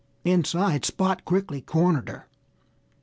Inside Spot quickly cornered her.